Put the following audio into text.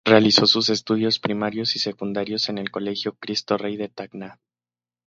Realizó sus estudios primarios y secundarios en el Colegio Cristo Rey de Tacna.